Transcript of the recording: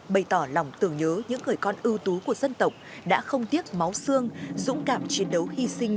bày tỏ lòng tưởng nhớ những người con ưu tú của dân tộc đã không tiếc máu xương dũng cảm chiến đấu hy sinh